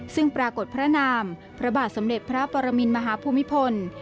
ซึ่งปรากฏพระนามพระบาทสมเด็จพระปรมินมหาภูมิพล